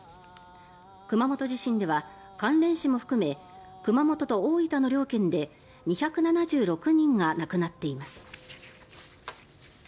熊本地震では関連死も含め熊本と大分の両県で２７６人が亡くなっています。